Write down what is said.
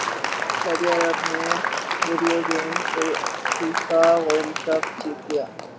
سعودی عرب نے video games FIFA World Cup جیت لیا